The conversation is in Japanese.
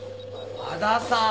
和田さん！